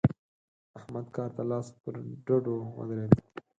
احمد کار ته لاس پر ډډو ودرېد.